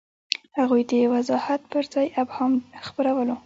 هغوی د وضاحت پر ځای ابهام خپرولو.